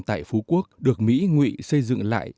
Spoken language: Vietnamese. tại phú quốc được mỹ ngụy xây dựng lại